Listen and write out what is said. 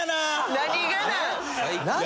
何がなん？